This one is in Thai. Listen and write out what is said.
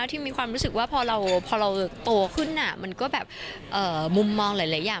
ที่มีความรู้สึกว่าพอเราโตขึ้นมันก็แบบมุมมองหลายอย่าง